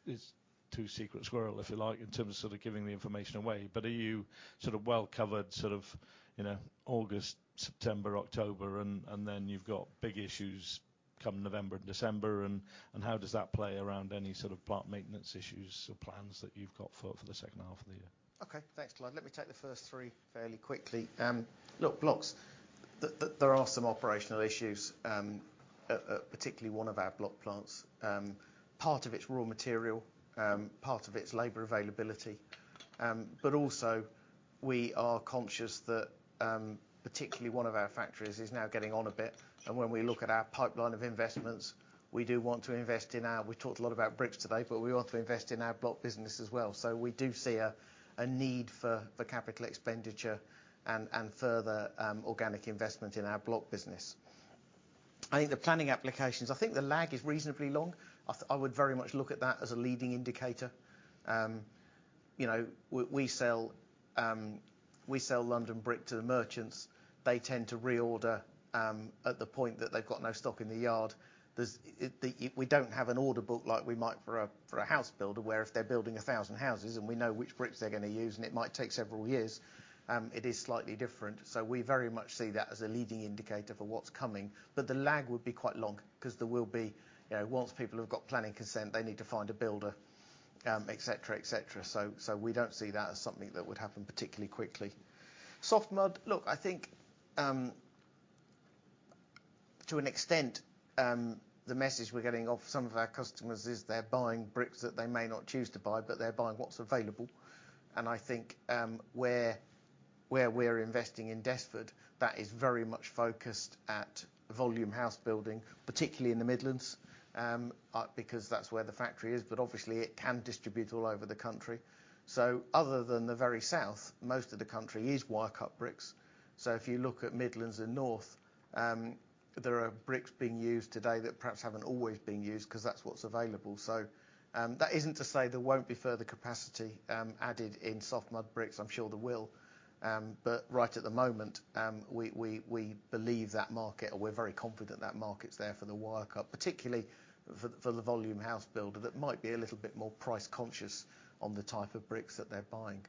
too secret squirrel, if you like, in terms of sort of giving the information away, but are you sort of well covered, sort of, you know, August, September, October, and then you've got big issues come November, December, and how does that play around any sort of plant maintenance issues or plans that you've got for the second half of the year? Okay. Thanks, Clyde. Let me take the first three fairly quickly. Look, blocks. There are some operational issues at particularly one of our block plants. Part of it's raw material, part of it's labor availability, but also we are conscious that particularly one of our factories is now getting on a bit, and when we look at our pipeline of investments, we do want to. We talked a lot about bricks today, but we want to invest in our block business as well. We do see a need for capital expenditure and further organic investment in our block business. I think the planning applications, I think the lag is reasonably long. I would very much look at that as a leading indicator. You know, we sell London Brick to the merchants. They tend to reorder at the point that they've got no stock in the yard. We don't have an order book like we might for a house builder, where if they're building 1,000 houses and we know which bricks they're gonna use and it might take several years, it is slightly different. We very much see that as a leading indicator for what's coming. But the lag would be quite long 'cause there will be, you know, once people have got planning consent, they need to find a builder, et cetera, et cetera. We don't see that as something that would happen particularly quickly. Soft mud. Look, I think, to an extent, the message we're getting off some of our customers is they're buying bricks that they may not choose to buy, but they're buying what's available. I think, where we're investing in Desford, that is very much focused at volume house building, particularly in the Midlands, because that's where the factory is, but obviously it can distribute all over the country. Other than the very south, most of the country is wire-cut bricks. If you look at Midlands and North, there are bricks being used today that perhaps haven't always been used 'cause that's what's available. That isn't to say there won't be further capacity added in soft mud bricks. I'm sure there will. Right at the moment, we're very confident that market's there for the wire-cut, particularly for the volume house builder that might be a little bit more price conscious on the type of bricks that they're buying.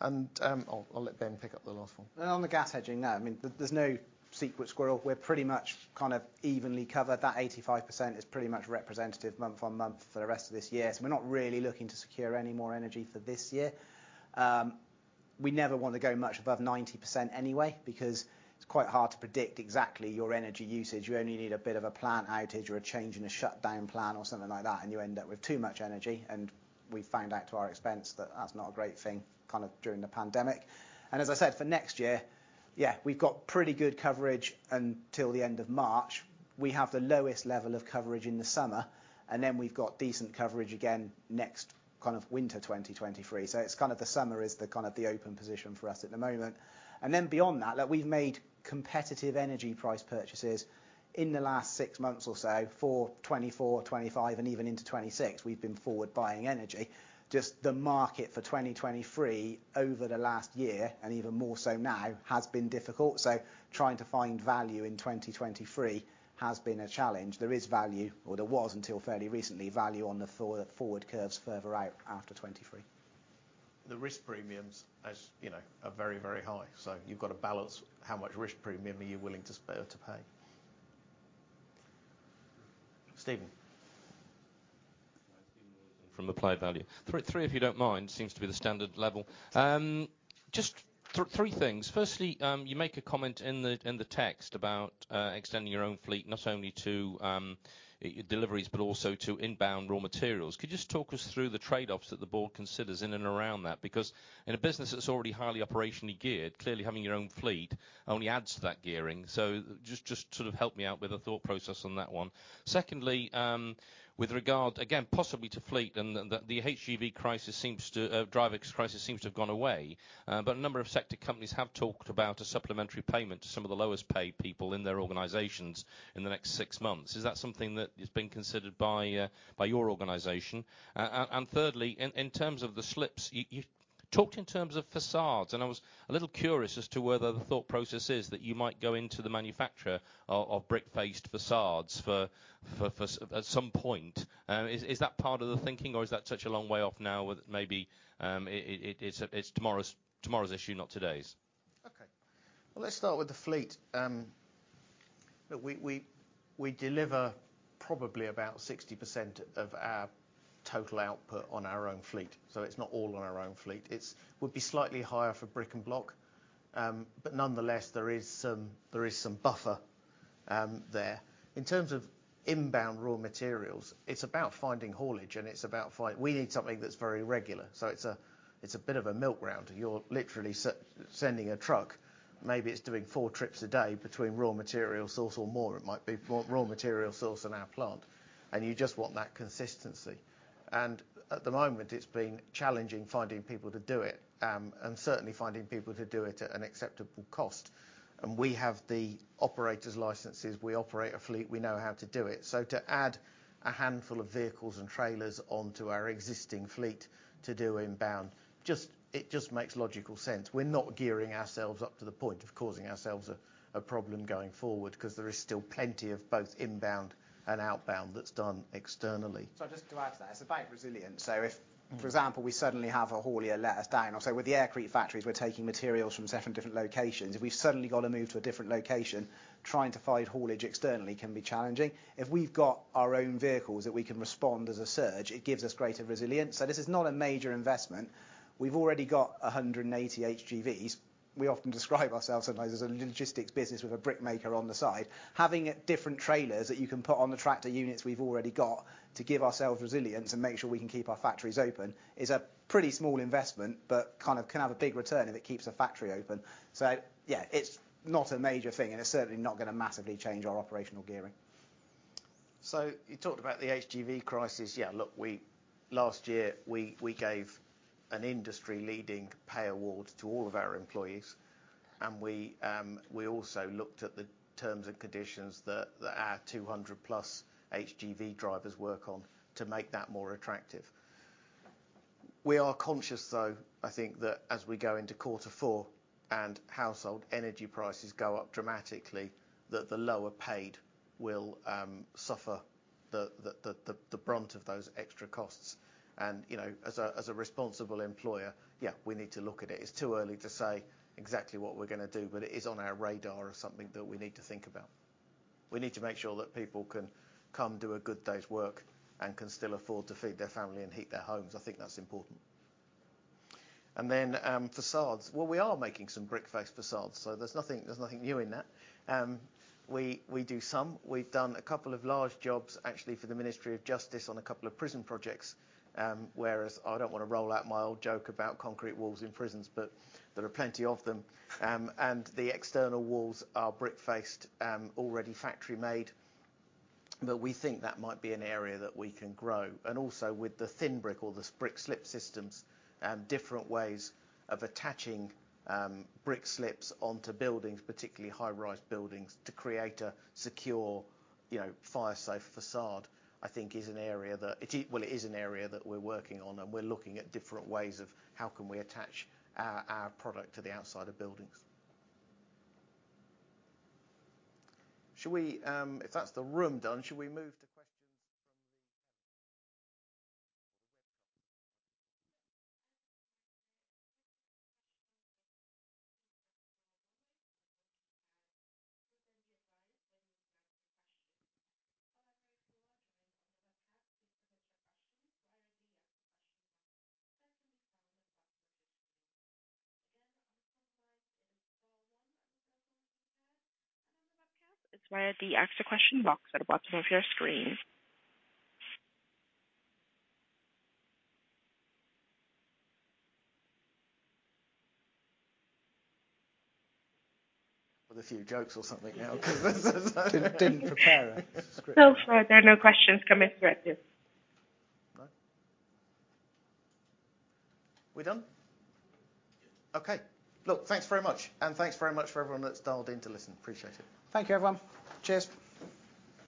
I'll let Ben pick up the last one. On the gas hedging, no, I mean, there's no secret squirrel. We're pretty much kind of evenly covered. That 85% is pretty much representative month-on-month for the rest of this year. We're not really looking to secure any more energy for this year. We never want to go much above 90% anyway because it's quite hard to predict exactly your energy usage. You only need a bit of a plant outage or a change in a shutdown plan or something like that, and you end up with too much energy, and we found out to our expense that that's not a great thing kind of during the pandemic. As I said, for next year, yeah, we've got pretty good coverage until the end of March. We have the lowest level of coverage in the summer, and then we've got decent coverage again next kind of winter 2023. It's kind of the summer is the kind of the open position for us at the moment. Beyond that, look, we've made competitive energy price purchases in the last six months or so, for 2024, 2025 and even into 2026, we've been forward buying energy. Just the market for 2023 over the last year, and even more so now, has been difficult, so trying to find value in 2023 has been a challenge. There is value, or there was until fairly recently, value on the forward curves further out after 2023. The risk premiums, as you know, are very, very high. You've got to balance how much risk premium are you willing to pay. Stephen. From Arden Partners. Three, if you don't mind. Seems to be the standard level. Just three things. Firstly, you make a comment in the text about extending your own fleet, not only to deliveries but also to inbound raw materials. Could you just talk us through the trade-offs that the board considers in and around that? Because in a business that's already highly operationally geared, clearly having your own fleet only adds to that gearing. Just sort of help me out with a thought process on that one. Secondly, with regard again possibly to fleet and the HGV driver crisis seems to have gone away, but a number of sector companies have talked about a supplementary payment to some of the lowest paid people in their organizations in the next six months. Is that something that is being considered by your organization? Thirdly, in terms of the slips, you talked in terms of facades, and I was a little curious as to whether the thought process is that you might go into the manufacture of brick-faced facades for at some point. Is that part of the thinking or is that such a long way off now with maybe it's tomorrow's issue, not today's? Well, let's start with the fleet. Look, we deliver probably about 60% of our total output on our own fleet. So it's not all on our own fleet. It would be slightly higher for Brick & Block. But nonetheless, there is some buffer there. In terms of inbound raw materials, it's about finding haulage, and we need something that's very regular. So it's a bit of a milk round. You're literally sending a truck. Maybe it's doing 4 trips a day between raw material source or more. It might be more raw material source in our plant, and you just want that consistency. At the moment, it's been challenging finding people to do it, and certainly finding people to do it at an acceptable cost. We have the operator's licenses. We operate a fleet. We know how to do it. To add a handful of vehicles and trailers onto our existing fleet to do inbound, just, it just makes logical sense. We're not gearing ourselves up to the point of causing ourselves a problem going forward, 'cause there is still plenty of both inbound and outbound that's done externally. Just to add to that, it's about resilience. If, for example, we suddenly have a hauler let us down. Or say with the Aircrete factories, we're taking materials from seven different locations. If we've suddenly got to move to a different location, trying to find hauling externally can be challenging. If we've got our own vehicles that we can respond as a surge, it gives us greater resilience. This is not a major investment. We've already got 180 HGVs. We often describe ourselves sometimes as a logistics business with a brick maker on the side. Having different trailers that you can put on the tractor units we've already got to give ourselves resilience and make sure we can keep our factories open is a pretty small investment, but kind of can have a big return if it keeps the factory open. Yeah, it's not a major thing, and it's certainly not gonna massively change our operational gearing. You talked about the HGV crisis. Yeah, look, last year we gave an industry-leading pay award to all of our employees, and we also looked at the terms and conditions that our 200+ HGV drivers work on to make that more attractive. We are conscious, though, I think that as we go into quarter four and household energy prices go up dramatically, that the lower paid will suffer the brunt of those extra costs. You know, as a responsible employer, yeah, we need to look at it. It's too early to say exactly what we're gonna do, but it is on our radar as something that we need to think about. We need to make sure that people can come, do a good day's work, and can still afford to feed their family and heat their homes. I think that's important. Facades. Well, we are making some brick-faced facades, so there's nothing new in that. We do some. We've done a couple of large jobs, actually, for the Ministry of Justice on a couple of prison projects, whereas I don't wanna roll out my old joke about concrete walls in prisons, but there are plenty of them. The external walls are brick-faced, already factory-made, but we think that might be an area that we can grow. Also with the thin brick or the brick slips systems, different ways of attaching brick slips onto buildings, particularly high-rise buildings, to create a secure, you know, fire safe facade, I think is an area that, well, it is an area that we're working on, and we're looking at different ways of how can we attach our product to the outside of buildings. Should we, if that's the room done, should we move to questions from the web with a few jokes or something now 'cause there's- Didn't prepare a script. So far, there are no questions coming through, active. No. We done? Okay. Look, thanks very much, and thanks very much for everyone that's dialed in to listen. Appreciate it. Thank you, everyone. Cheers.